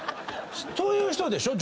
そういう人でしょ。